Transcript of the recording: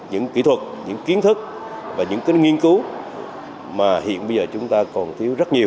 những kỹ thuật những kiến thức và những nghiên cứu mà hiện bây giờ chúng ta còn thiếu rất nhiều